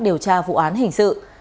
điều tra vụ án hình sự